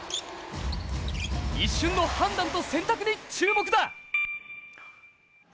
一瞬の判断と選択に注目だ。